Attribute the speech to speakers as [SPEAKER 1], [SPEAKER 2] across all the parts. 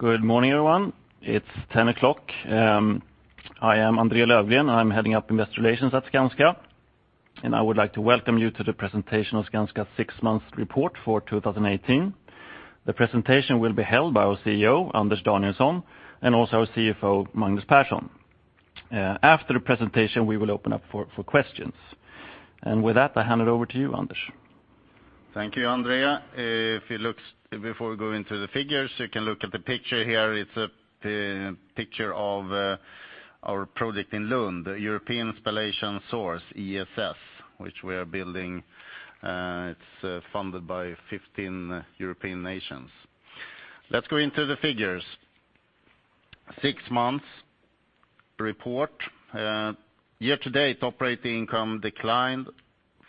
[SPEAKER 1] Good morning, everyone. It's 10:00AM I am André Löfgren. I'm heading up Investor Relations at Skanska, and I would like to welcome you to the presentation of Skanska's six-month report for 2018. The presentation will be held by our CEO, Anders Danielsson, and also our CFO, Magnus Persson. After the presentation, we will open up for questions. And with that, I hand it over to you, Anders.
[SPEAKER 2] Thank you, André. Before we go into the figures, you can look at the picture here. It's a picture of our project in Lund, the European Spallation Source, ESS, which we are building. It's funded by 15 European nations. Let's go into the figures. Six months report. Year-to-date operating income declined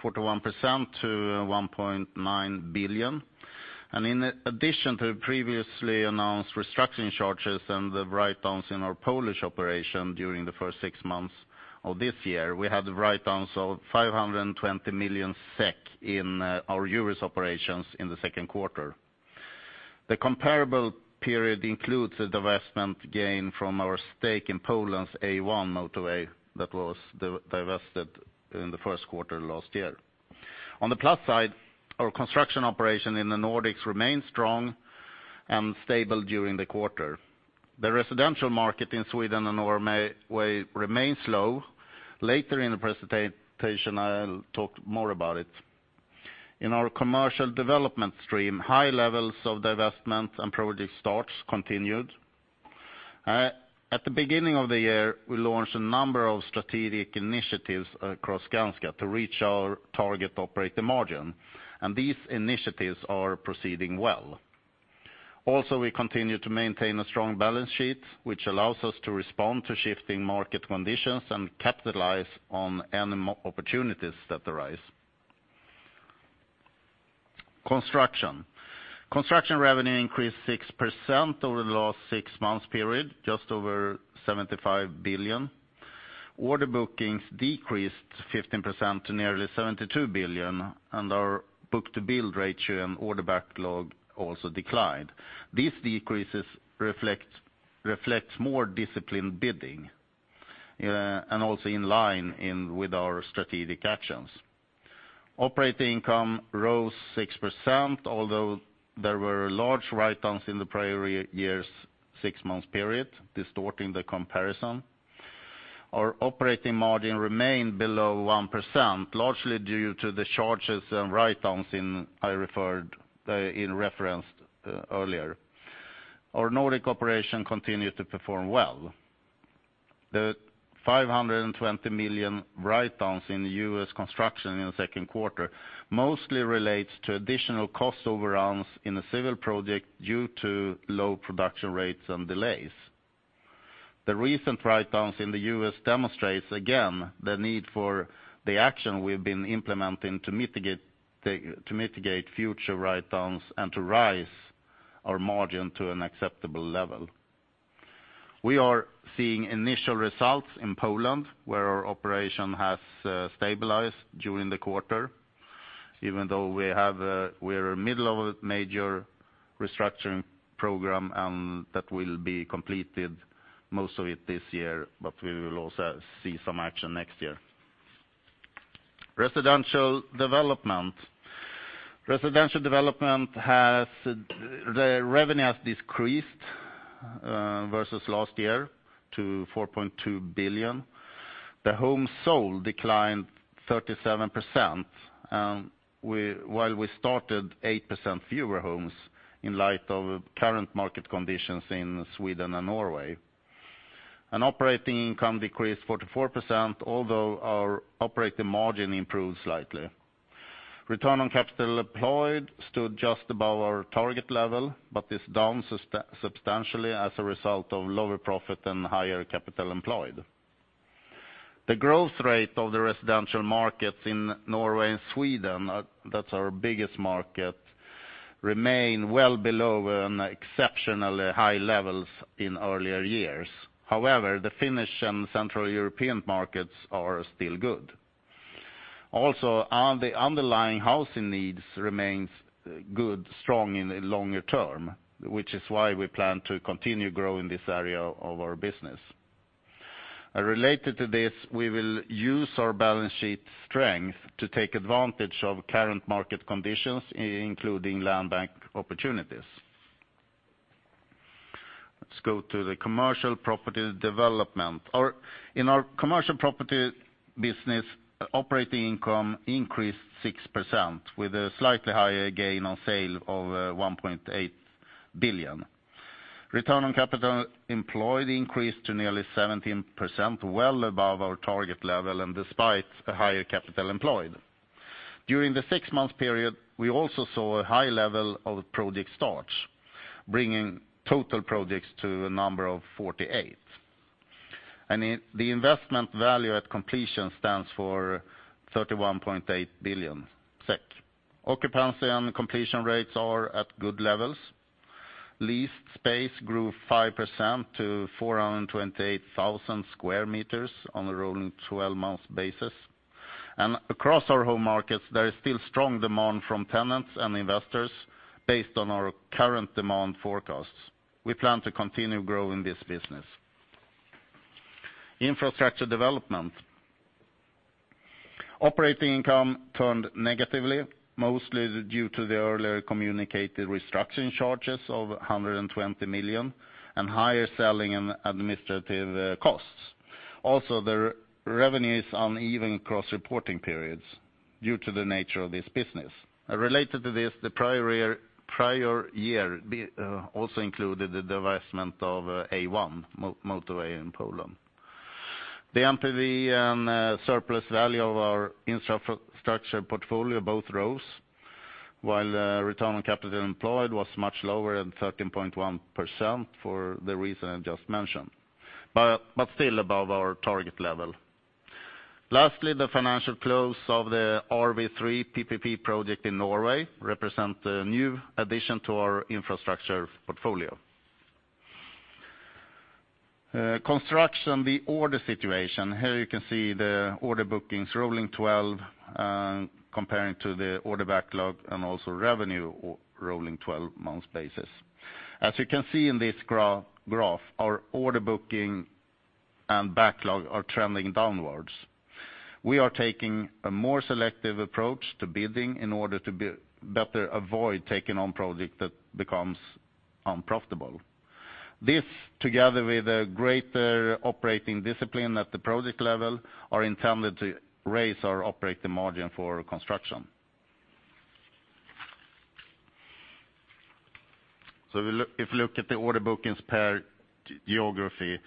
[SPEAKER 2] 41% to 1.9 billion. And in addition to the previously announced restructuring charges and the write-downs in our Polish operation during the first six months of this year, we had the write-downs of 520 million SEK in our US operations in the second quarter. The comparable period includes the divestment gain from our stake in Poland's A1 motorway that was divested in the first quarter last year. On the plus side, our construction operation in the Nordics remained strong and stable during the quarter. The residential market in Sweden and Norway remains low. Later in the presentation, I'll talk more about it. In our Commercial Development stream, high levels of divestment and project starts continued. At the beginning of the year, we launched a number of strategic initiatives across Skanska to reach our target operating margin, and these initiatives are proceeding well. Also, we continue to maintain a strong balance sheet, which allows us to respond to shifting market conditions and capitalize on any more opportunities that arise. Construction. Construction revenue increased 6% over the last six months period, just over 75 billion. Order bookings decreased 15% to nearly 72 billion, and our book-to-bill ratio and order backlog also declined. These decreases reflects more disciplined bidding, and also in line with our strategic actions. Operating income rose 6%, although there were large write-downs in the prior year's six-month period, distorting the comparison. Our operating margin remained below 1%, largely due to the charges and write-downs in I referred in referenced earlier. Our Nordic operation continued to perform well. The 520 million write-downs in U.S. construction in the second quarter mostly relates to additional cost overruns in a civil project due to low production rates and delays. The recent write-downs in the U.S. demonstrates, again, the need for the action we've been implementing to mitigate the, to mitigate future write-downs and to rise our margin to an acceptable level. We are seeing initial results in Poland, where our operation has stabilized during the quarter, even though we are in the middle of a major restructuring program, and that will be completed, most of it, this year, but we will also see some action next year. Residential Development. Residential Development has, the revenue has decreased versus last year to 4.2 billion. The homes sold declined 37%, and we, while we started 8% fewer homes in light of current market conditions in Sweden and Norway. Operating income decreased 44%, although our operating margin improved slightly. Return on capital employed stood just above our target level, but is down substantially as a result of lower profit and higher capital employed. The growth rate of the residential markets in Norway and Sweden, that's our biggest market, remain well below an exceptionally high levels in earlier years. However, the Finnish and Central European markets are still good. Also, on the underlying housing needs remains good, strong in the longer term, which is why we plan to continue growing this area of our business. Related to this, we will use our balance sheet strength to take advantage of current market conditions, including land bank opportunities. Let's go to the Commercial Property Development. In our Commercial Property business, operating income increased 6% with a slightly higher gain on sale of 1.8 billion. Return on capital employed increased to nearly 17%, well above our target level, and despite a higher capital employed. During the six-month period, we also saw a high level of project starts, bringing total projects to a number of 48. And in the investment value at completion stands for 31.8 billion SEK. Occupancy and completion rates are at good levels. Leased space grew 5% to 428,000 square meters on a rolling twelve-month basis. And across our home markets, there is still strong demand from tenants and investors based on our current demand forecasts. We plan to continue growing this business. Infrastructure Development. Operating income turned negatively, mostly due to the earlier communicated restructuring charges of 120 million, and higher selling and administrative costs. Also, the revenue is uneven across reporting periods due to the nature of this business. Related to this, the prior year also included the divestment of A1 motorway in Poland. The NPV and surplus value of our infrastructure portfolio both rose, while return on capital employed was much lower at 13.1% for the reason I just mentioned, but still above our target level. Lastly, the financial close of the RV3 PPP project in Norway represent a new addition to our infrastructure portfolio. Construction, the order situation. Here you can see the order bookings rolling 12, and comparing to the order backlog and also revenue rolling 12-month basis. As you can see in this graph, our order booking and backlog are trending downwards. We are taking a more selective approach to bidding in order to better avoid taking on project that becomes unprofitable. This, together with a greater operating discipline at the project level, are intended to raise our operating margin for construction. If you look at the order bookings per geography,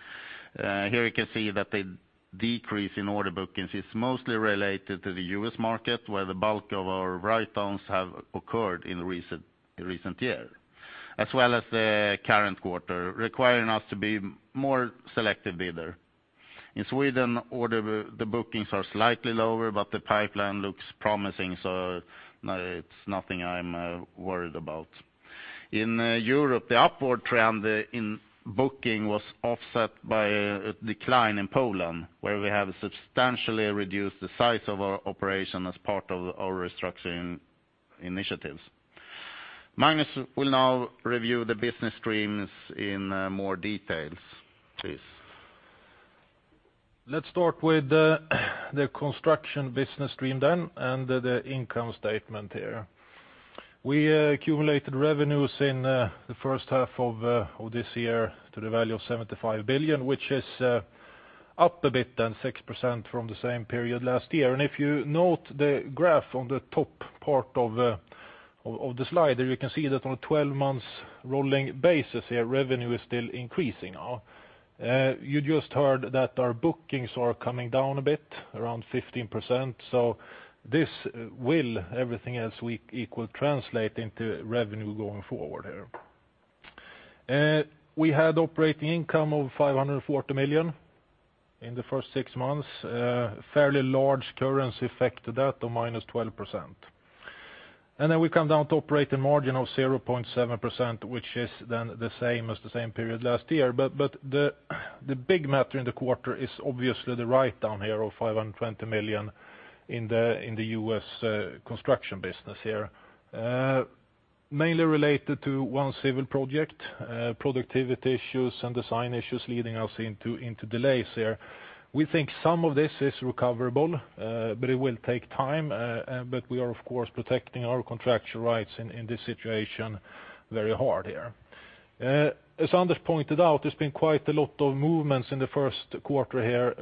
[SPEAKER 2] here you can see that the decrease in order bookings is mostly related to the U.S. market, where the bulk of our write-downs have occurred in recent, recent year, as well as the current quarter, requiring us to be more selective bidder. In Sweden, order, the bookings are slightly lower, but the pipeline looks promising, so, no, it's nothing I'm worried about. In Europe, the upward trend in booking was offset by a decline in Poland, where we have substantially reduced the size of our operation as part of our restructuring initiatives. Magnus will now review the business streams in more details, please.
[SPEAKER 3] Let's start with the Construction business stream then, and the income statement here. We accumulated revenues in the first half of this year to the value of 75 billion, which is up a bit than 6% from the same period last year. And if you note the graph on the top part of the slide, you can see that on a 12-month rolling basis here, revenue is still increasing now. You just heard that our bookings are coming down a bit, around 15%, so this will, everything else equal, translate into revenue going forward here. We had operating income of 540 million in the first six months, fairly large currency effect to that, to -12%. Then we come down to operating margin of 0.7%, which is then the same as the same period last year. But the big matter in the quarter is obviously the write-down here of 520 million in the U.S. Construction business here. Mainly related to one civil project, productivity issues and design issues leading us into delays there. We think some of this is recoverable, but it will take time, but we are, of course, protecting our contractual rights in this situation very hard here. As Anders pointed out, there's been quite a lot of movements in the first quarter here,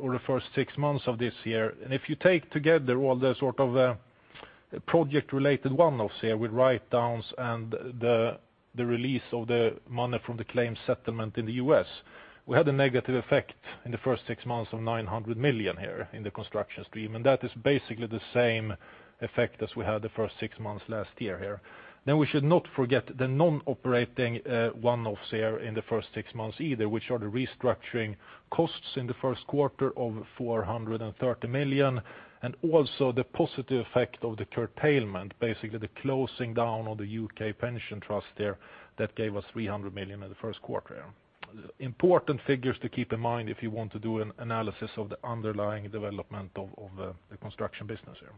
[SPEAKER 3] or the first six months of this year. If you take together all the sort of project-related one-offs here, with write-downs and the release of the money from the claim settlement in the U.S., we had a negative effect in the first six months of 900 million here in the construction stream, and that is basically the same effect as we had the first six months last year here. We should not forget the non-operating one-offs here in the first six months either, which are the restructuring costs in the first quarter of 430 million, and also the positive effect of the curtailment, basically the closing down of the U.K. pension trust there, that gave us 300 million in the first quarter. Important figures to keep in mind if you want to do an analysis of the underlying development of the Construction business here.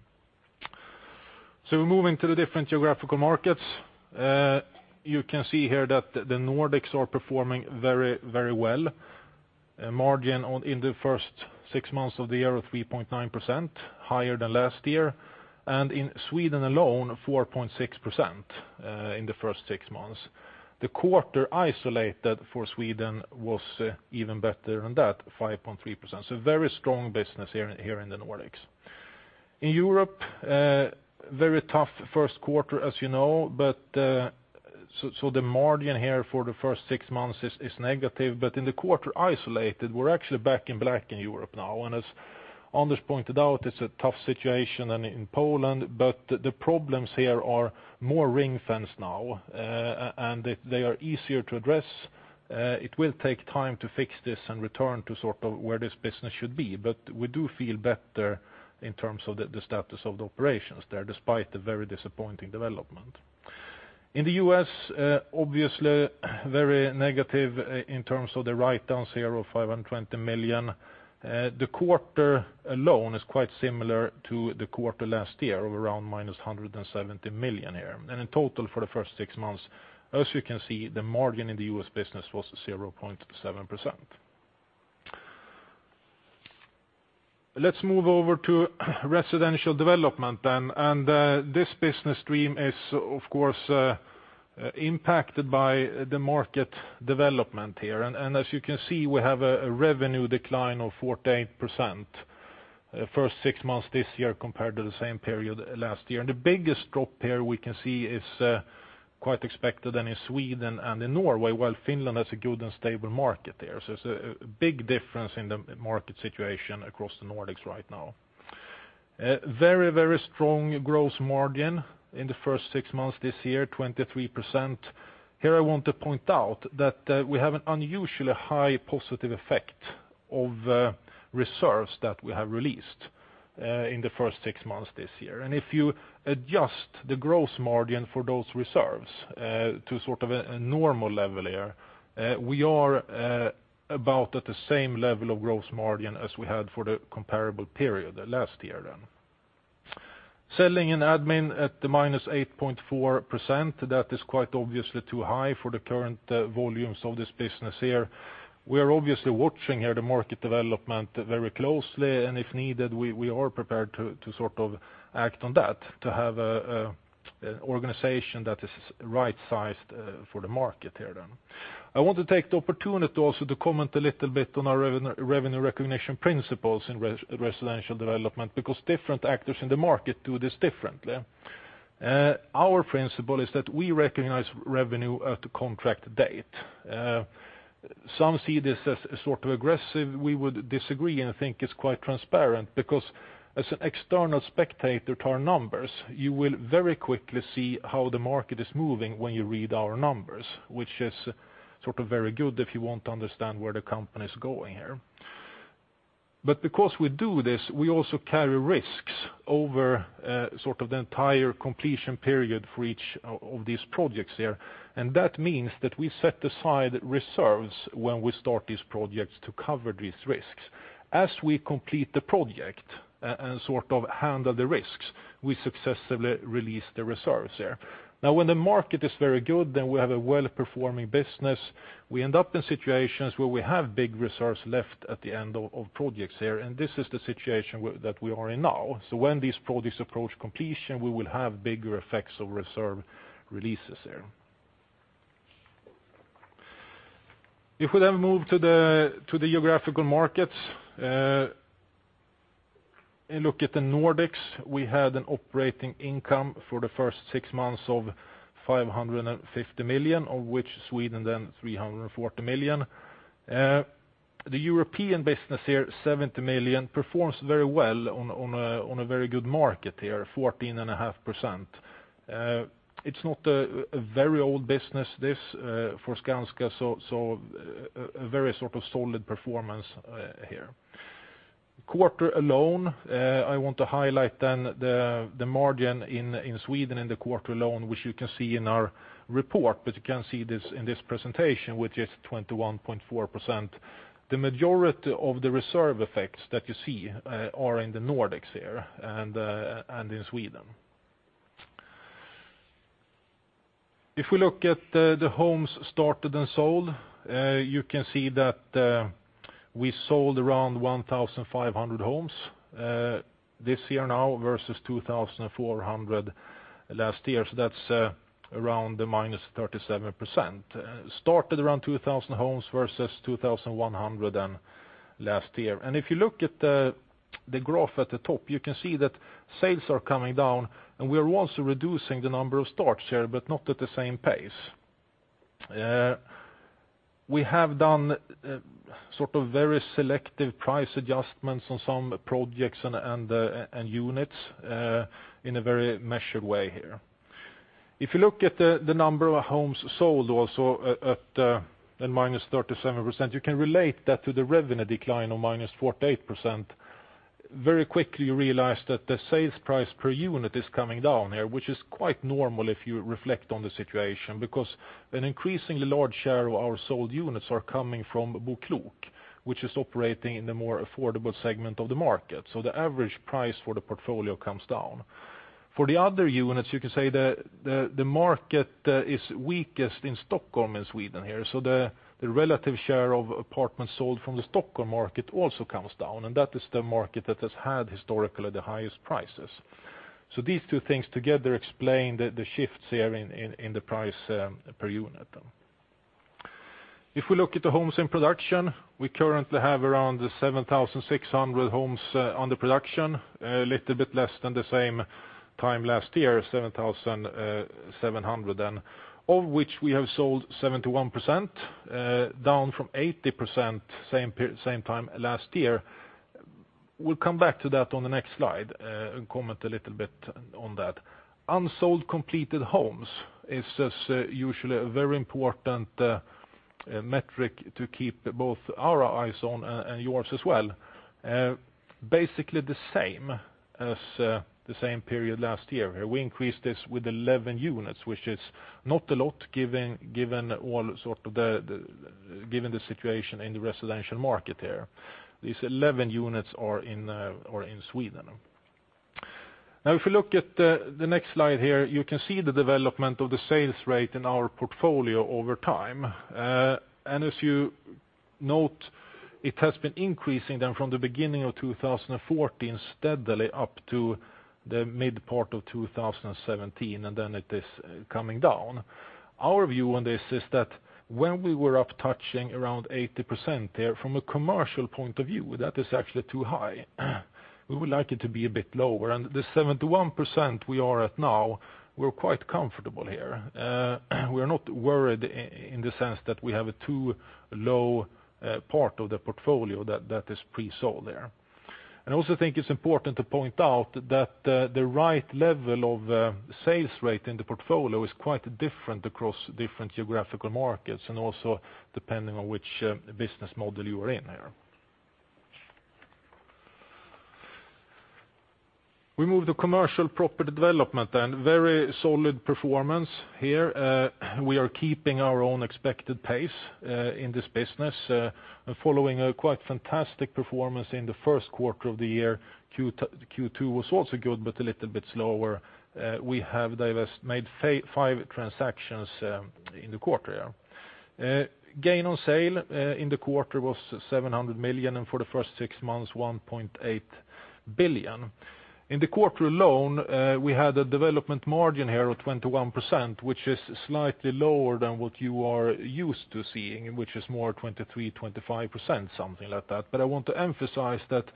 [SPEAKER 3] So moving to the different geographical markets, you can see here that the Nordics are performing very, very well. A margin on, in the first six months of the year, of 3.9%, higher than last year. And in Sweden alone, 4.6%, in the first six months. The quarter isolated for Sweden was, even better than that, 5.3%. So very strong business here in the Nordics. In Europe, very tough first quarter, as you know, but so the margin here for the first six months is negative, but in the quarter isolated, we're actually back in black in Europe now. And as Anders pointed out, it's a tough situation in Poland, but the problems here are more ring-fence now, and they are easier to address. It will take time to fix this and return to sort of where this business should be, but we do feel better in terms of the, the status of the operations there, despite the very disappointing development. In the U.S., obviously, very negative in terms of the write-downs here of $520 million. The quarter alone is quite similar to the quarter last year of around -$170 million here. And in total, for the first six months, as you can see, the margin in the U.S. business was 0.7%. Let's move over to Residential Development then, and this business stream is, of course, impacted by the market development here. And as you can see, we have a revenue decline of 48%, the first six months this year compared to the same period last year. The biggest drop here we can see is quite expected one in Sweden and in Norway, while Finland has a good and stable market there. So it's a big difference in the market situation across the Nordics right now. Very, very strong gross margin in the first six months this year, 23%. Here, I want to point out that we have an unusually high positive effect of reserves that we have released in the first six months this year. And if you adjust the gross margin for those reserves to sort of a normal level here, we are about at the same level of gross margin as we had for the comparable period last year then. Selling and admin at the -8.4%, that is quite obviously too high for the current volumes of this business here. We are obviously watching the market development very closely, and if needed, we are prepared to sort of act on that, to have an organization that is right-sized for the market here then. I want to take the opportunity also to comment a little bit on our revenue recognition principles in Residential Development, because different actors in the market do this differently. Our principle is that we recognize revenue at the contract date. Some see this as sort of aggressive. We would disagree, and I think it's quite transparent, because as an external spectator to our numbers, you will very quickly see how the market is moving when you read our numbers, which is sort of very good if you want to understand where the company is going here. But because we do this, we also carry risks over sort of the entire completion period for each of these projects here, and that means that we set aside reserves when we start these projects to cover these risks. As we complete the project, and sort of handle the risks, we successfully release the reserves there. Now, when the market is very good, then we have a well-performing business. We end up in situations where we have big reserves left at the end of projects here, and this is the situation that we are in now. So when these projects approach completion, we will have bigger effects of reserve releases there. If we then move to the geographical markets and look at the Nordics, we had an operating income for the first six months of 550 million, of which Sweden then 340 million. The European business here, 70 million, performs very well on a very good market here, 14.5%. It's not a very old business, this, for Skanska, so a very sort of solid performance here. Quarter alone, I want to highlight then the margin in Sweden in the quarter alone, which you can see in our report, but you can see this in this presentation, which is 21.4%. The majority of the reserve effects that you see are in the Nordics here and in Sweden. If we look at the homes started and sold, you can see that we sold around 1,500 homes this year now versus 2,400 last year, so that's around the -37%. Started around 2,000 homes versus 2,100 last year. And if you look at the graph at the top, you can see that sales are coming down, and we are also reducing the number of starts here, but not at the same pace. We have done sort of very selective price adjustments on some projects and units in a very measured way here. If you look at the number of homes sold also at -37%, you can relate that to the revenue decline of -48%. Very quickly, you realize that the sales price per unit is coming down here, which is quite normal if you reflect on the situation, because an increasingly large share of our sold units are coming from BoKlok, which is operating in the more affordable segment of the market, so the average price for the portfolio comes down. For the other units, you can say the market is weakest in Stockholm, in Sweden here. So the relative share of apartments sold from the Stockholm market also comes down, and that is the market that has had historically the highest prices. So these two things together explain the shifts here in the price per unit. If we look at the homes in production, we currently have around 7,600 homes under production, a little bit less than the same time last year, 7,700 then, of which we have sold 71%, down from 80%, same time last year. We'll come back to that on the next slide and comment a little bit on that. Unsold completed homes is just usually a very important metric to keep both our eyes on and yours as well. Basically the same as the same period last year. We increased this with 11 units, which is not a lot, given the situation in the residential market here. These 11 units are in Sweden. Now, if you look at the next slide here, you can see the development of the sales rate in our portfolio over time. And as you note, it has been increasing then from the beginning of 2014, steadily up to the mid part of 2017, and then it is coming down. Our view on this is that when we were up touching around 80% there, from a commercial point of view, that is actually too high. We would like it to be a bit lower, and the 71% we are at now, we're quite comfortable here. We're not worried in the sense that we have a too low part of the portfolio that is pre-sold there. I also think it's important to point out that the right level of sales rate in the portfolio is quite different across different geographical markets, and also depending on which business model you are in there. We move to Commercial Property Development, and very solid performance here. We are keeping our own expected pace in this business, following a quite fantastic performance in the first quarter of the year. Q2 was also good, but a little bit slower. We have made five transactions in the quarter. Gain on sale in the quarter was 700 million, and for the first six months, 1.8 billion. In the quarter alone, we had a development margin here of 21%, which is slightly lower than what you are used to seeing, which is more 23%-25%, something like that. But I want to emphasize that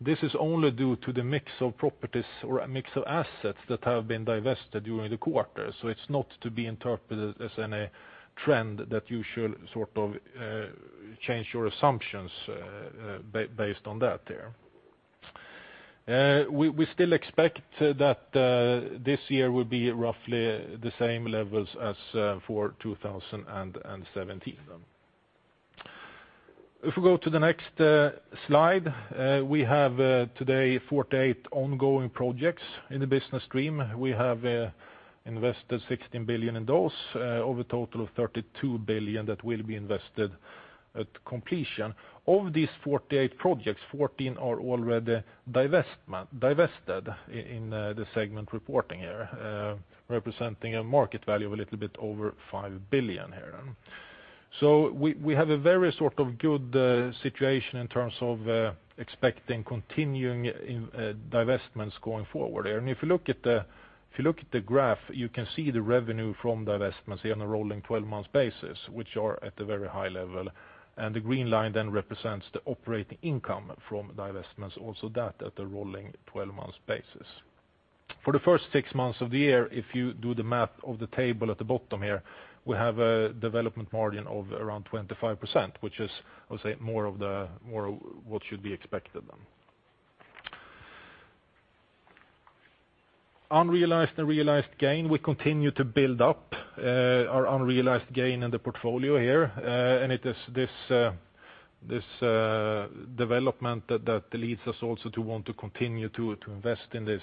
[SPEAKER 3] this is only due to the mix of properties or a mix of assets that have been divested during the quarter. So it's not to be interpreted as any trend that you should sort of, change your assumptions, based on that there. We still expect that, this year will be roughly the same levels as, for 2017. If we go to the next, slide, we have, today 48 ongoing projects in the business stream. We have, invested 16 billion in those, of a total of 32 billion that will be invested at completion. Of these 48 projects, 14 are already divested in the segment reporting here, representing a market value of a little bit over 5 billion here. So we have a very sort of good situation in terms of expecting continuing in divestments going forward there. And if you look at the graph, you can see the revenue from divestments here on a rolling 12-month basis, which are at a very high level, and the green line then represents the operating income from divestments, also that at a rolling 12-month basis. For the first six months of the year, if you do the math of the table at the bottom here, we have a development margin of around 25%, which is, I would say, more of what should be expected then. Unrealized and realized gain, we continue to build up our unrealized gain in the portfolio here, and it is this development that leads us also to want to continue to invest in this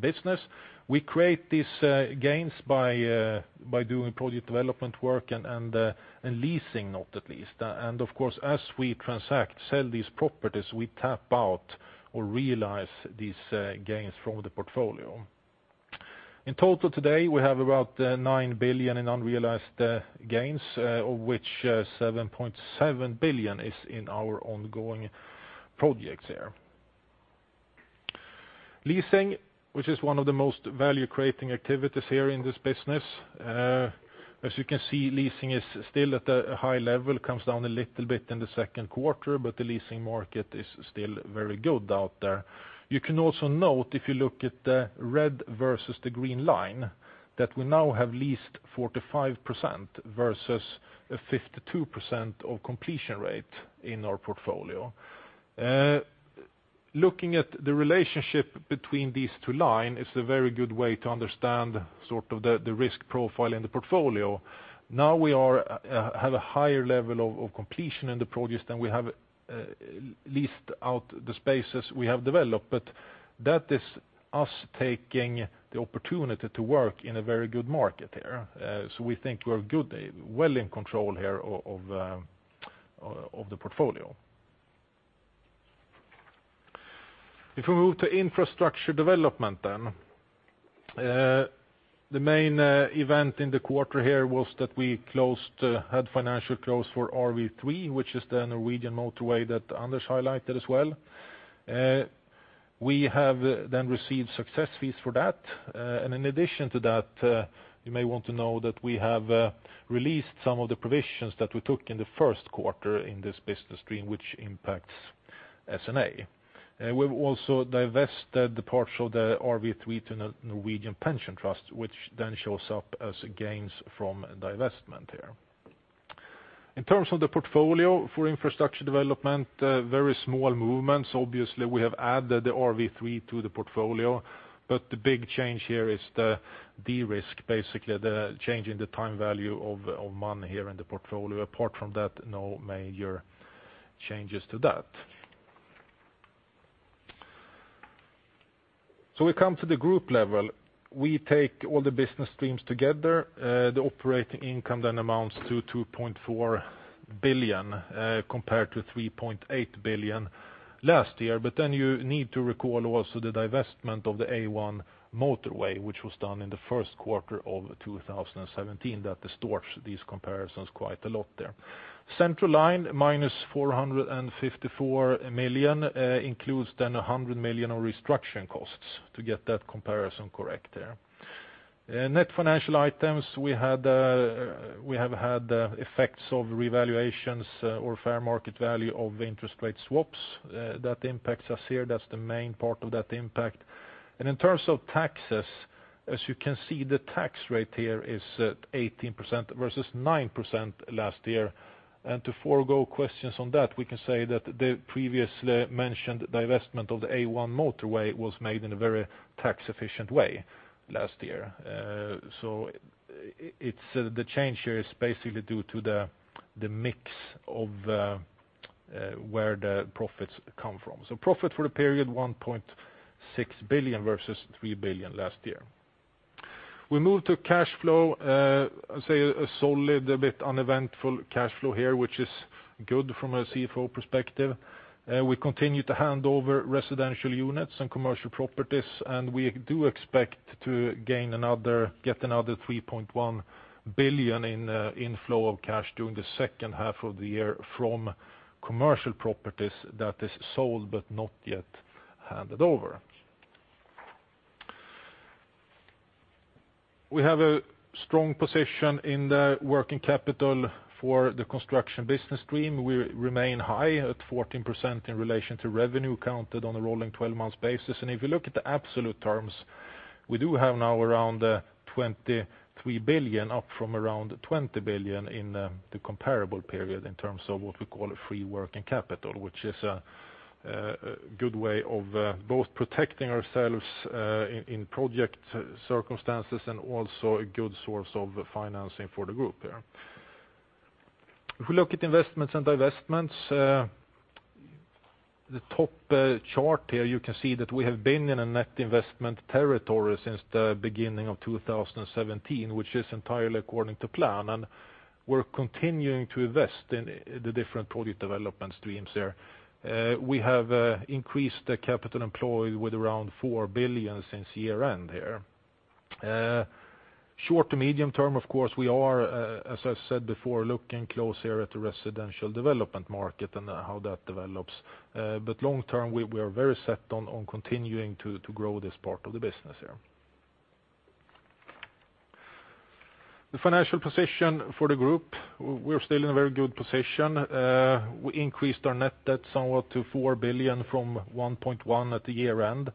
[SPEAKER 3] business. We create these gains by doing project development work and leasing, not least. And of course, as we transact, sell these properties, we tap out or realize these gains from the portfolio. In total today, we have about 9 billion in unrealized gains, of which 7.7 billion is in our ongoing projects there. Leasing, which is one of the most value-creating activities here in this business. As you can see, leasing is still at a high level, comes down a little bit in the second quarter, but the leasing market is still very good out there. You can also note, if you look at the red versus the green line, that we now have leased 45% versus a 52% of completion rate in our portfolio. Looking at the relationship between these two lines is a very good way to understand sort of the risk profile in the portfolio. Now we have a higher level of completion in the projects than we have leased out the spaces we have developed, but that is us taking the opportunity to work in a very good market here. So we think we're good, well in control here of the portfolio. If we move to Infrastructure Development then, the main event in the quarter here was that we had financial close for RV3, which is the Norwegian motorway that Anders highlighted as well. We have then received success fees for that. And in addition to that, you may want to know that we have released some of the provisions that we took in the first quarter in this business stream, which impacts S&A. We've also divested the parts of the RV3 to the Norwegian Pension Trust, which then shows up as gains from divestment here. In terms of the portfolio for Infrastructure Development, very small movements. Obviously, we have added the RV3 to the portfolio, but the big change here is the risk, basically, the change in the time value of money here in the portfolio. Apart from that, no major changes to that. We come to the group level. We take all the business streams together, the operating income then amounts to 2.4 billion, compared to 3.8 billion last year. You need to recall also the divestment of the A1 motorway, which was done in the first quarter of 2017, that distorts these comparisons quite a lot there. Central line, -454 million, includes then 100 million on restructuring costs to get that comparison correct there. Net financial items, we have had effects of revaluations or fair market value of interest rate swaps, that impacts us here. That's the main part of that impact. In terms of taxes, as you can see, the tax rate here is at 18% versus 9% last year. To forego questions on that, we can say that the previously mentioned divestment of the A1 motorway was made in a very tax-efficient way last year. So it's the change here is basically due to the mix of where the profits come from. So profit for the period, 1.6 billion versus 3 billion last year. We move to cash flow, I'd say a solid, a bit uneventful cash flow here, which is good from a CFO perspective. We continue to hand over residential units and commercial properties, and we do expect to get another 3.1 billion in inflow of cash during the second half of the year from commercial properties that is sold, but not yet handed over. We have a strong position in the working capital for the construction business stream. We remain high at 14% in relation to revenue, counted on a rolling twelve-month basis. And if you look at the absolute terms, we do have now around 23 billion, up from around 20 billion in the comparable period in terms of what we call a free working capital, which is a good way of both protecting ourselves in project circumstances, and also a good source of financing for the group there. If we look at investments and divestments, the top chart here, you can see that we have been in a net investment territory since the beginning of 2017, which is entirely according to plan, and we're continuing to invest in the different product development streams there. We have increased the capital employed with around 4 billion since year-end here. Short to medium term, of course, we are, as I said before, looking closer at the Residential Development market and how that develops. But long term, we are very set on continuing to grow this part of the business here. The financial position for the group, we're still in a very good position. We increased our net debt somewhat to 4 billion from 1.1 billion at the year-end.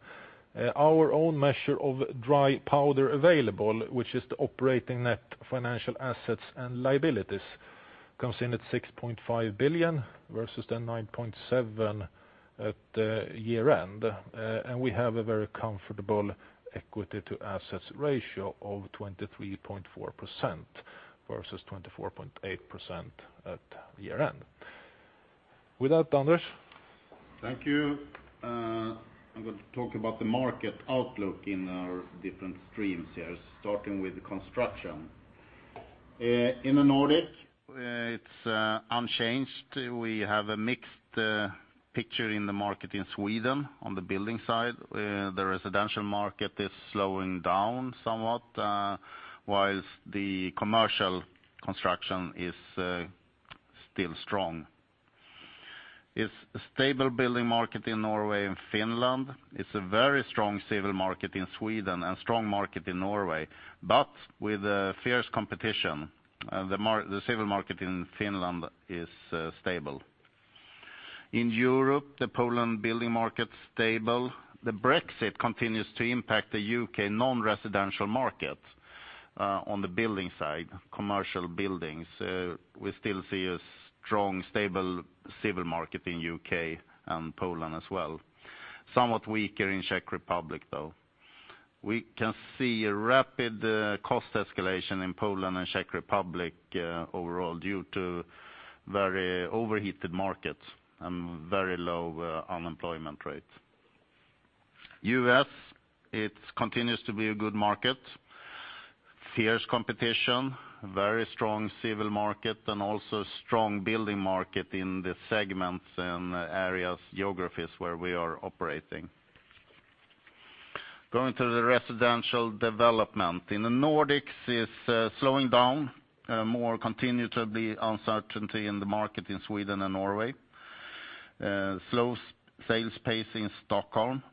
[SPEAKER 3] Our own measure of dry powder available, which is the operating net financial assets and liabilities, comes in at 6.5 billion, versus the 9.7 billion at the year-end. And we have a very comfortable equity to assets ratio of 23.4% versus 24.8% at year-end. With that, Anders?
[SPEAKER 2] Thank you. I'm going to talk about the market outlook in our different streams here, starting with the construction. In the Nordic, it's unchanged. We have a mixed picture in the market in Sweden on the building side. The residential market is slowing down somewhat, while the commercial construction is still strong. It's a stable building market in Norway and Finland. It's a very strong civil market in Sweden and strong market in Norway, but with a fierce competition, the civil market in Finland is stable. In Europe, the Poland building market's stable. The Brexit continues to impact the UK non-residential market on the building side, commercial buildings. We still see a strong, stable civil market in UK and Poland as well. Somewhat weaker in Czech Republic, though. We can see a rapid cost escalation in Poland and Czech Republic overall, due to very overheated markets and very low unemployment rate. U.S., it continues to be a good market. Fierce competition, very strong civil market, and also strong building market in the segments and areas, geographies where we are operating. Going to the Residential Development. In the Nordics, it's slowing down. More continued to be uncertainty in the market in Sweden and Norway. Slow sales pace in Stockholm.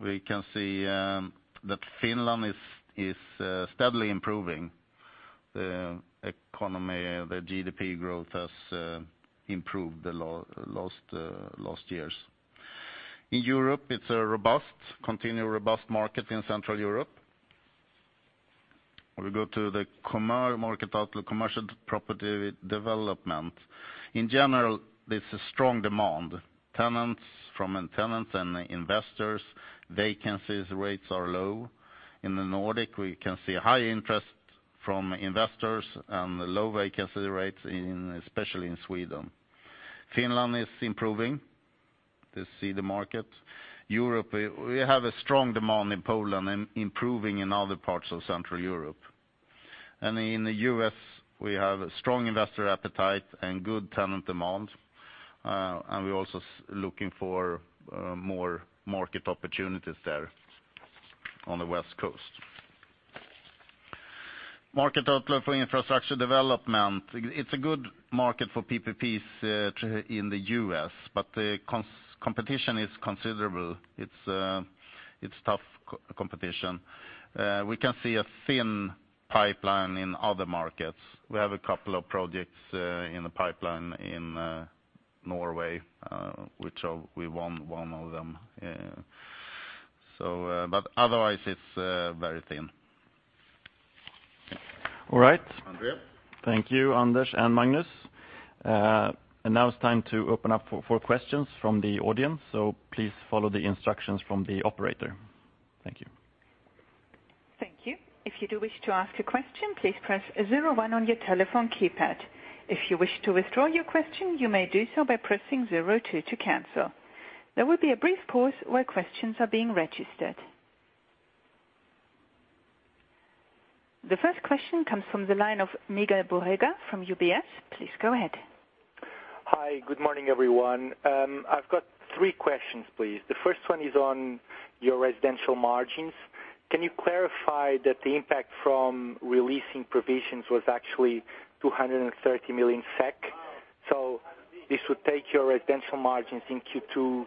[SPEAKER 2] We can see that Finland is steadily improving. The economy, the GDP growth has improved the last years. In Europe, it's a robust, continued robust market in Central Europe. We go to the commercial market outlook, Commercial Property Development. In general, there's a strong demand. Tenants and investors, vacancy rates are low. In the Nordic, we can see high interest from investors and low vacancy rates in, especially in Sweden. Finland is improving, to see the market. Europe, we have a strong demand in Poland and improving in other parts of Central Europe. And in the U.S., we have a strong investor appetite and good tenant demand, and we're also looking for more market opportunities there on the West Coast. Market outlook for Infrastructure Development. It's a good market for PPPs in the U.S., but the competition is considerable. It's a, it's tough competition. We can see a thin pipeline in other markets. We have a couple of projects in the pipeline in Norway, which are, we won one of them. So, but otherwise, it's very thin.
[SPEAKER 1] All right.
[SPEAKER 2] André?
[SPEAKER 1] Thank you, Anders and Magnus. And now it's time to open up for questions from the audience, so please follow the instructions from the operator. Thank you.
[SPEAKER 4] Thank you. If you do wish to ask a question, please press zero-one on your telephone keypad. If you wish to withdraw your question, you may do so by pressing zero-two to cancel. There will be a brief pause where questions are being registered. The first question comes from the line of Miguel Borrega from UBS. Please go ahead.
[SPEAKER 5] Hi, good morning, everyone. I've got three questions, please. The first one is on your residential margins. Can you clarify that the impact from releasing provisions was actually 230 million SEK? So this would take your residential margins in Q2 to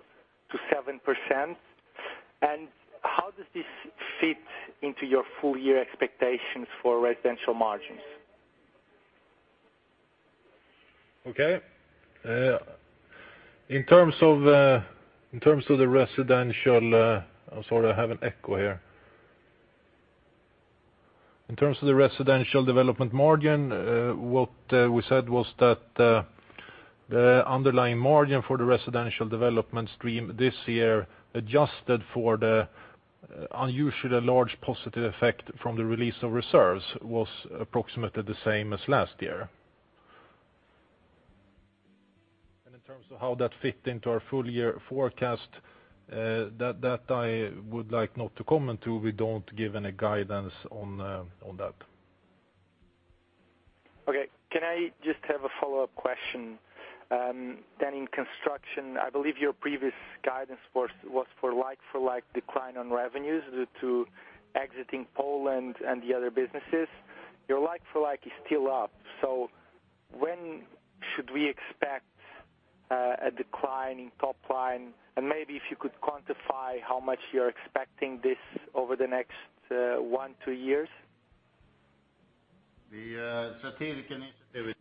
[SPEAKER 5] 7%. How does this fit into your full year expectations for residential margins?
[SPEAKER 2] Okay. In terms of, in terms of the residential. I'm sorry, I have an echo here. In terms of the Residential Development margin, what we said was that the underlying margin for the Residential Development stream this year, adjusted for the unusually large positive effect from the release of reserves, was approximately the same as last year. In terms of how that fit into our full year forecast, that, that I would like not to comment to. We don't give any guidance on that.
[SPEAKER 5] Okay. Can I just have a follow-up question? Then in construction, I believe your previous guidance was, was for like-for-like decline on revenues due to exiting Poland and the other businesses. Your like-for-like is still up, so when should we expect a decline in top line? And maybe if you could quantify how much you're expecting this over the next one, two years.
[SPEAKER 2] The strategic initiative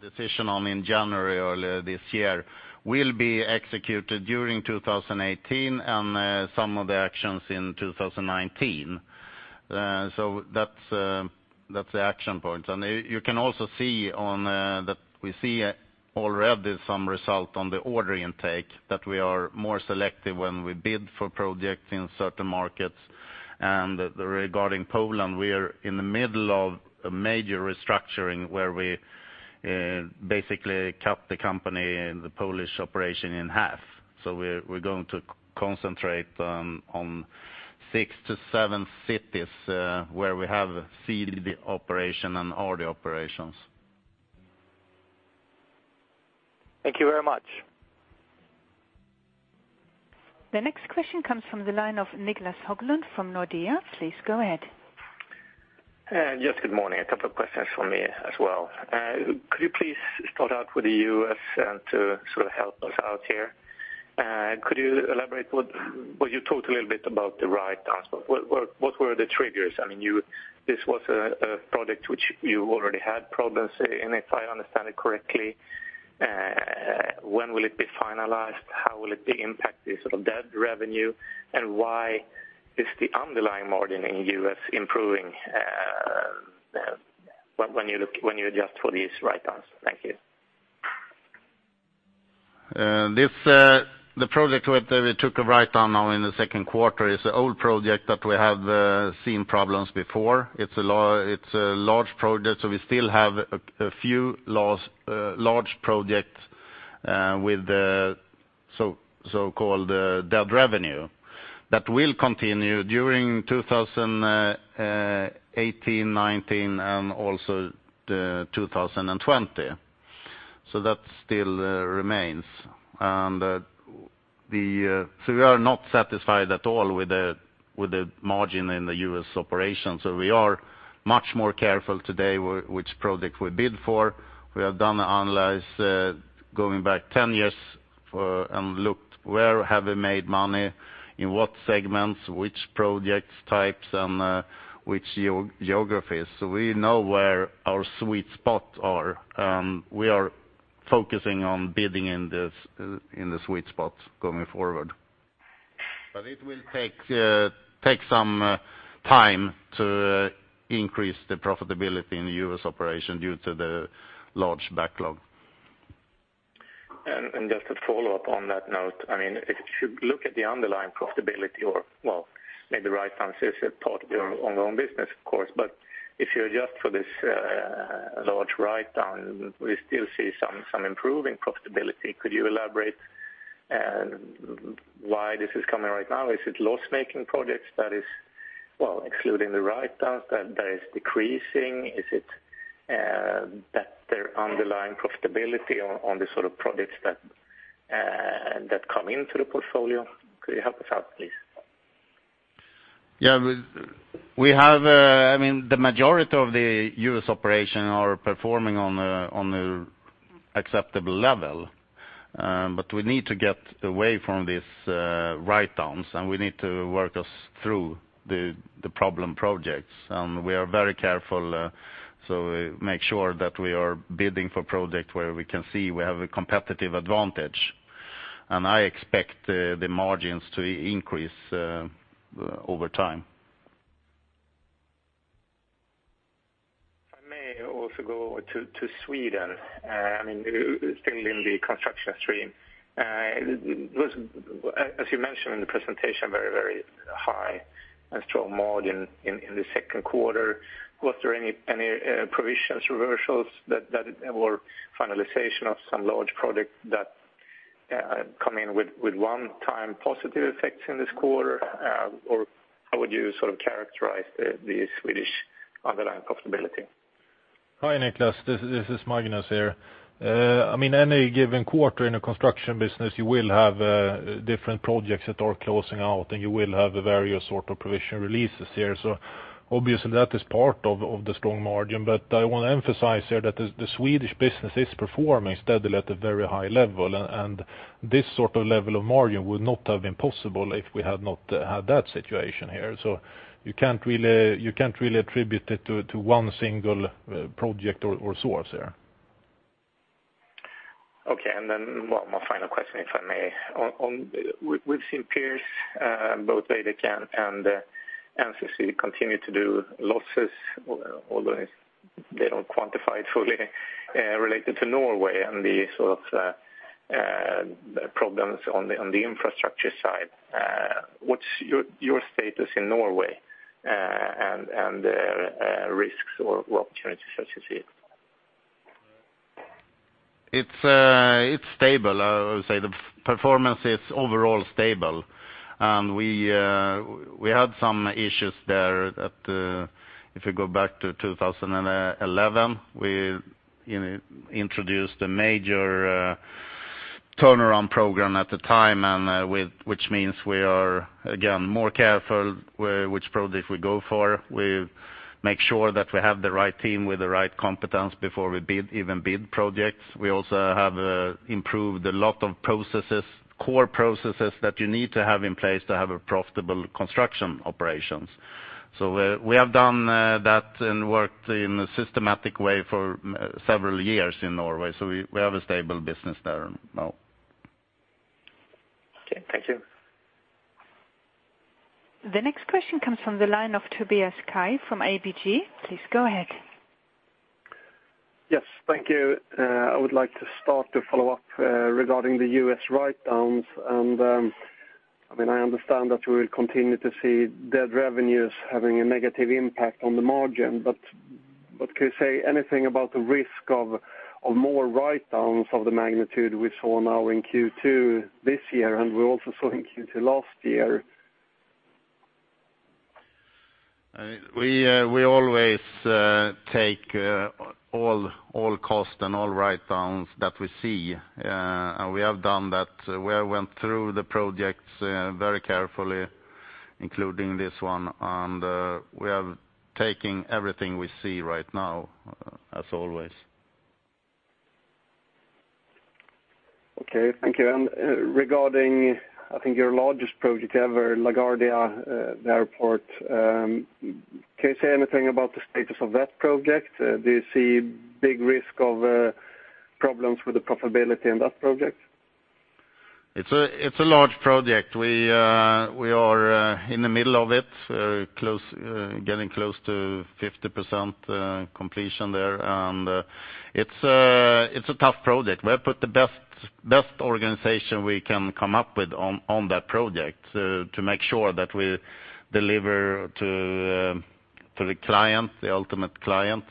[SPEAKER 2] decision in January earlier this year will be executed during 2018, and some of the actions in 2019. That's the action point. You can also see that we see already some result on the order intake, that we are more selective when we bid for projects in certain markets. Regarding Poland, we are in the middle of a major restructuring where we basically cut the company and the Polish operation in half. We're going to concentrate on six to seven cities where we have seed operation and order operations.
[SPEAKER 5] Thank you very much.
[SPEAKER 4] The next question comes from the line of Niclas Höglund from Nordea. Please go ahead.
[SPEAKER 6] Yes, good morning. A couple of questions from me as well. Could you please start out with the U.S. and to sort of help us out here? Could you elaborate what you talked a little bit about the write-downs, but what were the triggers? I mean, this was a product which you already had problems, and if I understand it correctly, when will it be finalized? How will it impact the sort of dead revenue? And why is the underlying margin in U.S. improving, when you look, when you adjust for these write-downs? Thank you.
[SPEAKER 2] This, the project that we took a write-down on in the second quarter is an old project that we have seen problems before. It's a large project, so we still have a few large projects with the so-called dead revenue. That will continue during 2018, 2019, and also 2020. So that still remains. So we are not satisfied at all with the margin in the U.S. operation, so we are much more careful today which project we bid for. We have done analysis going back 10 years for, and looked where have we made money, in what segments, which project types, and which geographies. So we know where our sweet spot are, and we are-... Focusing on bidding in this, in the sweet spot going forward. But it will take some time to increase the profitability in the U.S. operation due to the large backlog.
[SPEAKER 6] Just a follow-up on that note, I mean, if you look at the underlying profitability or, well, made the right answers as part of your own business, of course, but if you adjust for this large write-down, we still see some improving profitability. Could you elaborate and why this is coming right now? Is it loss-making projects that is, well, excluding the write-downs, that is decreasing? Is it better underlying profitability on the sort of projects that come into the portfolio? Could you help us out, please?
[SPEAKER 2] Yeah, we have, I mean, the majority of the U.S. operation are performing on a acceptable level. But we need to get away from these write-downs, and we need to work us through the problem projects. And we are very careful, so we make sure that we are bidding for project where we can see we have a competitive advantage. And I expect the margins to increase over time.
[SPEAKER 6] If I may also go to Sweden, I mean, still in the construction stream. It was, as you mentioned in the presentation, very, very high and strong margin in the second quarter. Was there any provisions, reversals that, or finalization of some large project that come in with one-time positive effects in this quarter? Or how would you sort of characterize the Swedish underlying profitability?
[SPEAKER 3] Hi, Niklas, this, this is Magnus here. I mean, any given quarter in a construction business, you will have different projects that are closing out, and you will have various sort of provision releases here. So obviously, that is part of the strong margin. But I want to emphasize here that the Swedish business is performing steadily at a very high level, and this sort of level of margin would not have been possible if we had not had that situation here. So you can't really, you can't really attribute it to one single project or source there.
[SPEAKER 6] Okay. Then one more final question, if I may. On, we've seen peers, both Veidekke and NCC continue to do losses, although they don't quantify it fully, related to Norway and the sort of problems on the infrastructure side. What's your status in Norway, and risks or opportunities as you see it?
[SPEAKER 2] It's stable. I would say the performance is overall stable, and we had some issues there at, if you go back to 2011, we, you know, introduced a major turnaround program at the time, and, with which means we are, again, more careful where, which projects we go for. We make sure that we have the right team with the right competence before we bid, even bid projects. We also have improved a lot of processes, core processes that you need to have in place to have a profitable construction operations. So we have done that and worked in a systematic way for several years in Norway, so we have a stable business there now.
[SPEAKER 6] Okay. Thank you.
[SPEAKER 4] The next question comes from the line of Tobias Kaj from ABG. Please go ahead.
[SPEAKER 7] Yes. Thank you. I would like to start to follow up, regarding the U.S. write-downs. I mean, I understand that we will continue to see their revenues having a negative impact on the margin, but but can you say anything about the risk of more write-downs of the magnitude we saw now in Q2 this year, and we also saw in Q2 last year?
[SPEAKER 2] We always take all costs and all write-downs that we see, and we have done that. We went through the projects very carefully, including this one, and we are taking everything we see right now, as always.
[SPEAKER 7] Okay. Thank you. And, regarding, I think, your largest project ever, LaGuardia, the airport, can you say anything about the status of that project? Do you see big risk of problems with the profitability in that project?
[SPEAKER 2] It's a large project. We are in the middle of it, close, getting close to 50% completion there. And it's a tough project. We have put the best organization we can come up with on that project to make sure that we deliver to the client, the ultimate client,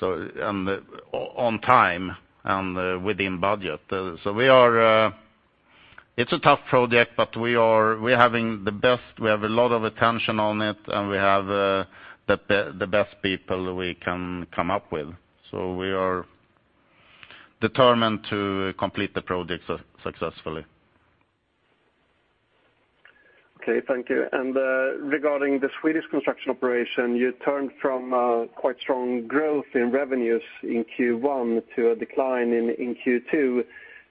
[SPEAKER 2] so, and on time and within budget. So we are... It's a tough project, but we are, we're having the best-- we have a lot of attention on it, and we have the best people we can come up with. So we are determined to complete the project successfully.
[SPEAKER 7] Okay, thank you. Regarding the Swedish construction operation, you turned from quite strong growth in revenues in Q1 to a decline in Q2.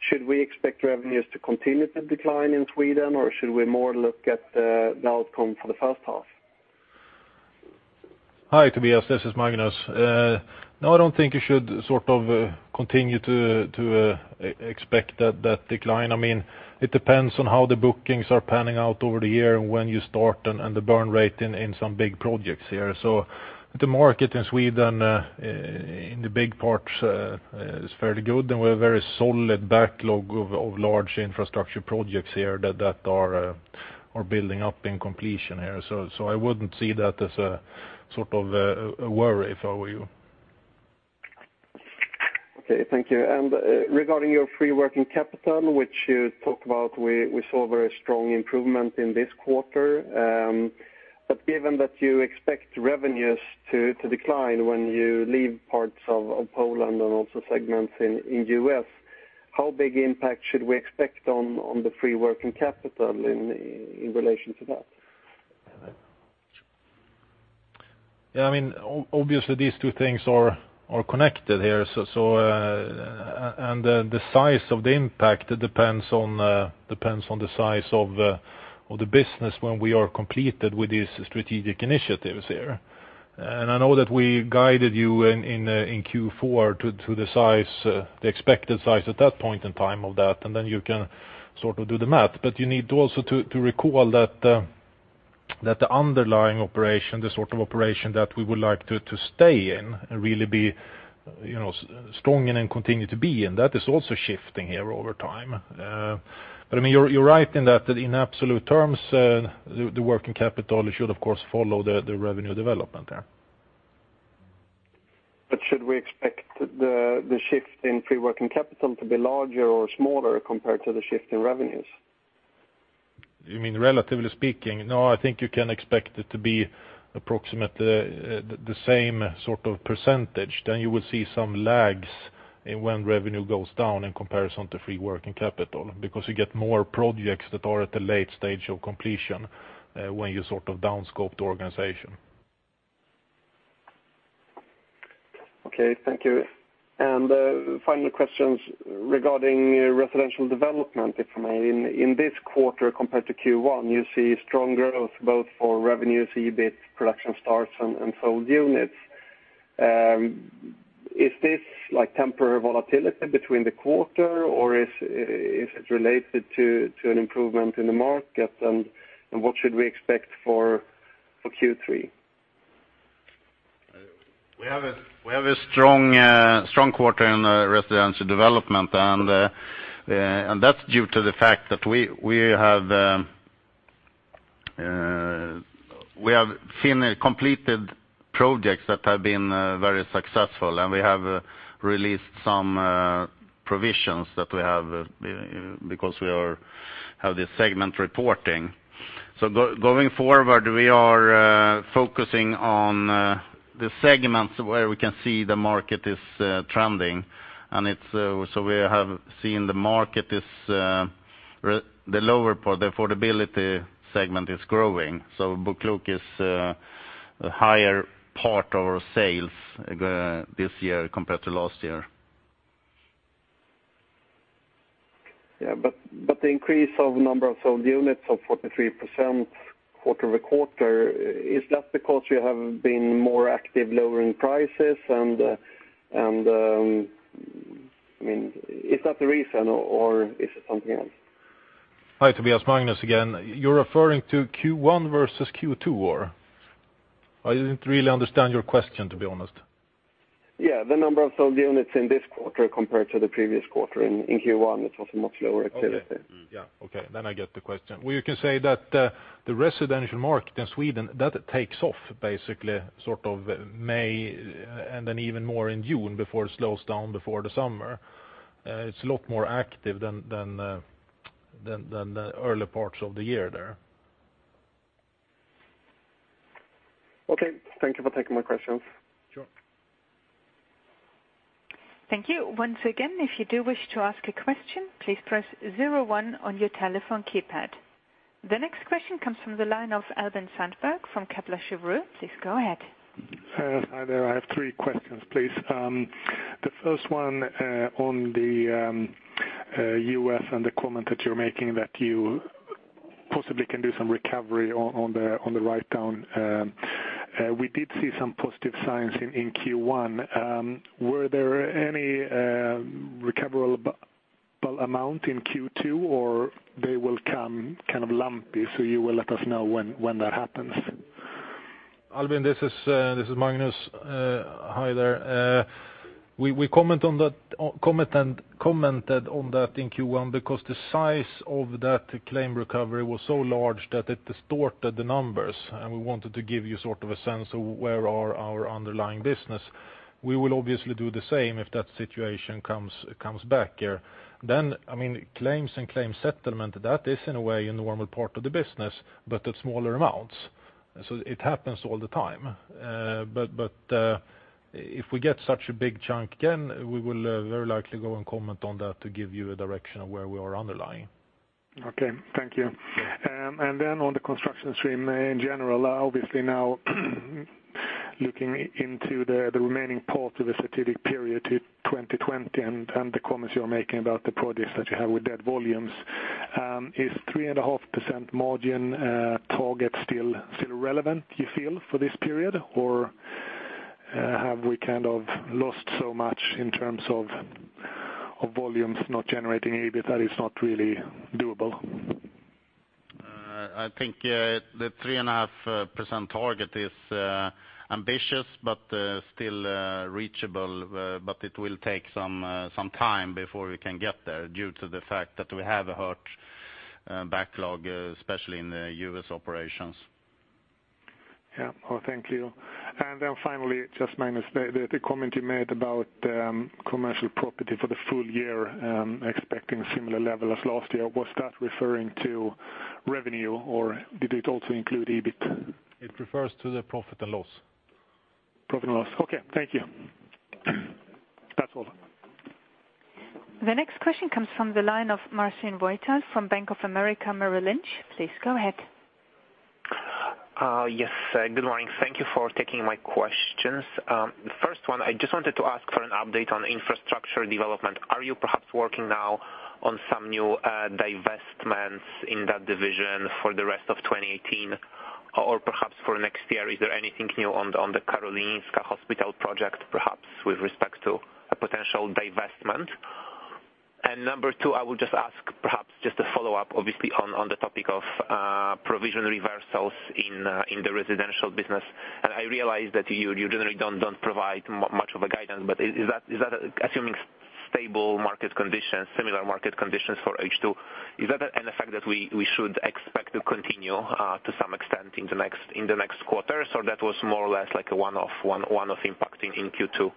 [SPEAKER 7] Should we expect revenues to continue to decline in Sweden, or should we more look at the outcome for the first half?
[SPEAKER 3] Hi, Tobias, this is Magnus. No, I don't think you should sort of continue to expect that decline. I mean, it depends on how the bookings are panning out over the year and when you start and the burn rate in some big projects here. So the market in Sweden in the big parts is fairly good, and we're a very solid backlog of large infrastructure projects here that are building up in completion here. So I wouldn't see that as a sort of a worry if I were you.
[SPEAKER 7] Okay, thank you. And, regarding your free working capital, which you talked about, we saw a very strong improvement in this quarter. But given that you expect revenues to decline when you leave parts of Poland and also segments in U.S., how big impact should we expect on the free working capital in relation to that?
[SPEAKER 3] Yeah, I mean, obviously, these two things are connected here. So, and the size of the impact, it depends on depends on the size of the business when we are completed with these strategic initiatives here. And I know that we guided you in Q4 to the size, the expected size at that point in time of that, and then you can sort of do the math. But you need to also to recall that that the underlying operation, the sort of operation that we would like to stay in and really be, you know, strong in and continue to be in, that is also shifting here over time. But, I mean, you're right in that that in absolute terms, the working capital should, of course, follow the revenue development there.
[SPEAKER 7] But should we expect the shift in free working capital to be larger or smaller compared to the shift in revenues?
[SPEAKER 3] You mean relatively speaking? No, I think you can expect it to be approximately the same sort of percentage. Then you will see some lags in when revenue goes down in comparison to free working capital, because you get more projects that are at a late stage of completion, when you sort of down scope the organization.
[SPEAKER 7] Okay, thank you. And final questions regarding Residential Development, if I may. In this quarter compared to Q1, you see strong growth both for revenues, EBIT, production starts, and sold units. Is this like temporary volatility between the quarters, or is it related to an improvement in the market? And what should we expect for Q3?
[SPEAKER 3] We have a strong quarter in Residential Development, and that's due to the fact that we have finished completed projects that have been very successful, and we have released some provisions that we have because we have this segment reporting. So going forward, we are focusing on the segments where we can see the market is trending, and it's... So we have seen the market is the lower part, the affordability segment is growing. So BoKlok is a higher part of our sales this year compared to last year.
[SPEAKER 7] Yeah, but, but the increase of number of sold units of 43% quarter-over-quarter, is that because you have been more active lowering prices? And, and, I mean, is that the reason, or is it something else?
[SPEAKER 3] Hi, Tobias, Magnus again. You're referring to Q1 versus Q2, or? I didn't really understand your question, to be honest.
[SPEAKER 7] Yeah, the number of sold units in this quarter compared to the previous quarter. In Q1, it was much lower activity.
[SPEAKER 3] Okay. Okay, then I get the question. Well, you can say that the residential market in Sweden takes off basically sort of May, and then even more in June before it slows down before the summer. It's a lot more active than the early parts of the year there.
[SPEAKER 7] Okay, thank you for taking my questions.
[SPEAKER 3] Sure.
[SPEAKER 4] Thank you. Once again, if you do wish to ask a question, please press zero-one on your telephone keypad. The next question comes from the line of Albin Sandberg from Kepler Cheuvreux. Please go ahead.
[SPEAKER 8] Hi there. I have three questions, please. The first one, on the US and the comment that you're making, that you possibly can do some recovery on the write-down. We did see some positive signs in Q1. Were there any recoverable amount in Q2, or they will come kind of lumpy, so you will let us know when that happens?
[SPEAKER 3] Albin, this is Magnus. Hi there. We commented on that in Q1 because the size of that claim recovery was so large that it distorted the numbers, and we wanted to give you sort of a sense of where are our underlying business. We will obviously do the same if that situation comes back here. Then, I mean, claims and claim settlement, that is in a way a normal part of the business, but at smaller amounts. So it happens all the time. But if we get such a big chunk again, we will very likely go and comment on that to give you a direction of where we are underlying.
[SPEAKER 8] Okay, thank you. And then on the construction stream in general, obviously now looking into the remaining part of the strategic period to 2020, and the comments you're making about the projects that you have with that volumes. Is 3.5% margin target still relevant, you feel, for this period? Or, have we kind of lost so much in terms of volumes not generating EBIT, that it is not really doable?
[SPEAKER 2] I think the 3.5% target is ambitious, but still reachable. But it will take some time before we can get there, due to the fact that we have a hurt backlog, especially in the U.S. operations.
[SPEAKER 8] Yeah. Well, thank you. And then finally, just Magnus, the comment you made about commercial property for the full year, expecting similar level as last year. Was that referring to revenue, or did it also include EBIT?
[SPEAKER 2] It refers to the profit and loss.
[SPEAKER 8] Profit and loss. Okay, thank you. That's all.
[SPEAKER 4] The next question comes from the line of Marcin Wojtal from Bank of America Merrill Lynch. Please go ahead.
[SPEAKER 9] Yes, good morning. Thank you for taking my questions. The first one, I just wanted to ask for an update on Infrastructure Development. Are you perhaps working now on some new divestments in that division for the rest of 2018, or perhaps for next year? Is there anything new on the Karolinska Hospital project, perhaps with respect to a potential divestment? And number two, I would just ask, perhaps just a follow-up, obviously, on the topic of provision reversals in the residential business. And I realize that you generally don't provide much of a guidance, but is that assuming stable market conditions, similar market conditions for H2, is that an effect that we should expect to continue to some extent in the next quarters? Or that was more or less like a one-off impacting in Q2?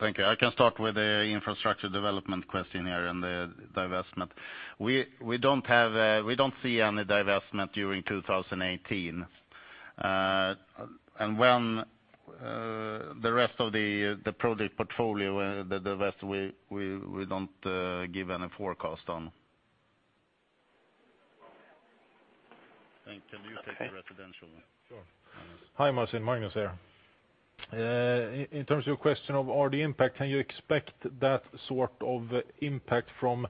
[SPEAKER 2] Thank you. I can start with the Infrastructure Development question here, and the divestment. We don't see any divestment during 2018. And when the rest of the product portfolio, the rest we don't give any forecast on. And can you take the residential one?
[SPEAKER 3] Sure.
[SPEAKER 2] Hi, Marcin, Magnus here. In terms of your question or the impact, can you expect that sort of impact from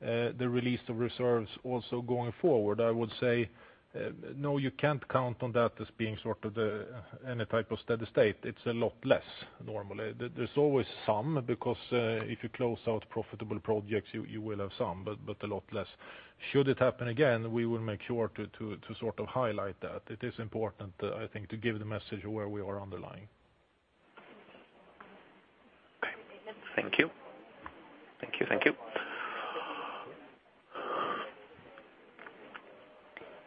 [SPEAKER 2] the release of reserves also going forward? I would say, no, you can't count on that as being sort of the any type of steady state. It's a lot less normally. There's always some, because if you close out profitable projects, you will have some, but a lot less. Should it happen again, we will make sure to sort of highlight that. It is important, I think, to give the message where we are underlying.
[SPEAKER 9] Okay. Thank you. Thank you, thank you.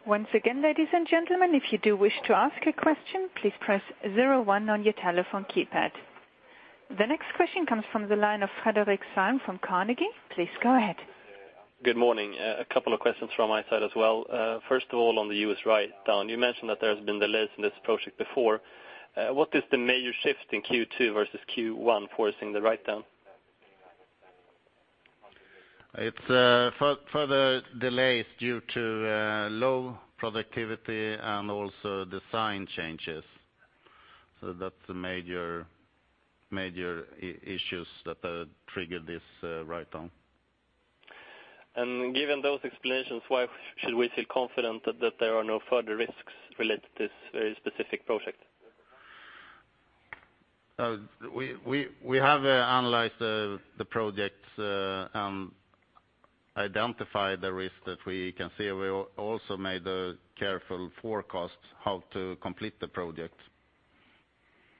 [SPEAKER 4] Once again, ladies and gentlemen, if you do wish to ask a question, please press zero one on your telephone keypad. The next question comes from the line of Fredric Cyon from Carnegie. Please go ahead.
[SPEAKER 10] Good morning. A couple of questions from my side as well. First of all, on the U.S. writedown, you mentioned that there has been delays in this project before. What is the major shift in Q2 versus Q1, forcing the writedown?
[SPEAKER 2] It's further delays due to low productivity and also design changes. So that's the major issues that triggered this writedown.
[SPEAKER 10] Given those explanations, why should we feel confident that there are no further risks related to this specific project?
[SPEAKER 2] We have analyzed the projects and identified the risks that we can see. We also made a careful forecast how to complete the project.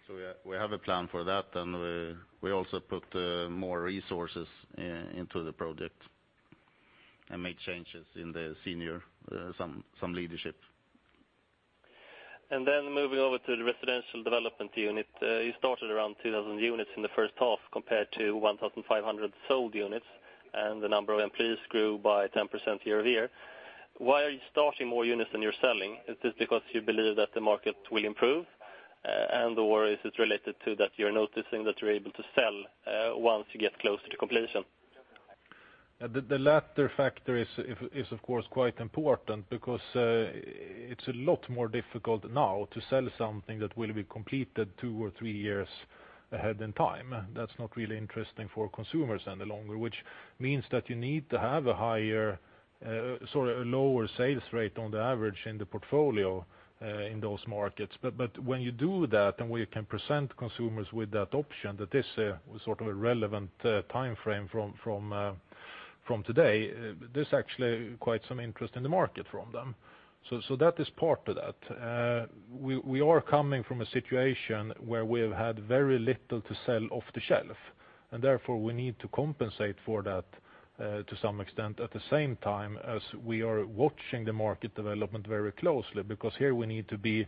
[SPEAKER 2] So we have a plan for that, and we also put more resources into the project, and made changes in the senior leadership.
[SPEAKER 10] And then moving over to the Residential Development unit. You started around 2,000 units in the first half, compared to 1,500 sold units, and the number of employees grew by 10% year-over-year. Why are you starting more units than you're selling? Is this because you believe that the market will improve, and/or is this related to that you're noticing that you're able to sell, once you get closer to completion?
[SPEAKER 3] The latter factor is of course quite important because it's a lot more difficult now to sell something that will be completed two or three years ahead in time. That's not really interesting for consumers any longer, which means that you need to have a higher, sorry, a lower sales rate on the average in the portfolio in those markets. But when you do that, and we can present consumers with that option, that is a sort of a relevant timeframe from today. There's actually quite some interest in the market from them. So that is part of that. We are coming from a situation where we've had very little to sell off the shelf, and therefore we need to compensate for that to some extent. At the same time, as we are watching the market development very closely, because here we need to be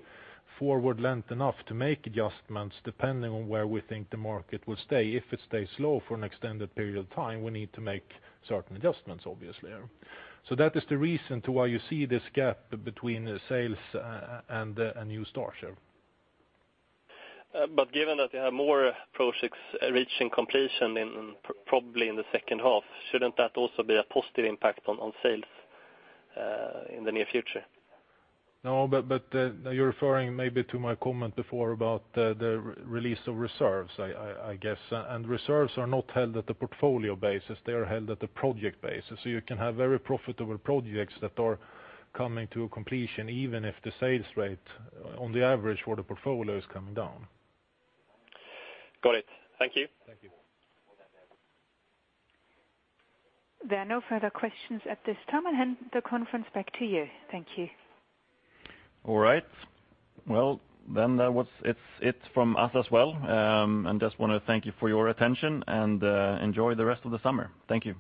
[SPEAKER 3] forward-leant enough to make adjustments, depending on where we think the market will stay. If it stays low for an extended period of time, we need to make certain adjustments, obviously, yeah. So that is the reason to why you see this gap between the sales and the new starts.
[SPEAKER 10] But given that you have more projects reaching completion in probably the second half, shouldn't that also be a positive impact on sales in the near future?
[SPEAKER 3] No, but you're referring maybe to my comment before about the release of reserves, I guess. Reserves are not held at the portfolio basis, they are held at the project basis. So you can have very profitable projects that are coming to a completion, even if the sales rate on the average for the portfolio is coming down.
[SPEAKER 10] Got it. Thank you.
[SPEAKER 3] Thank you.
[SPEAKER 4] There are no further questions at this time. I'll hand the conference back to you. Thank you.
[SPEAKER 2] All right. Well, then that was it from us as well. And just wanna thank you for your attention, and enjoy the rest of the summer. Thank you.